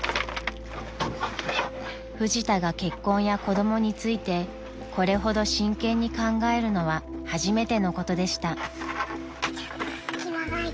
［フジタが結婚や子供についてこれほど真剣に考えるのは初めてのことでした］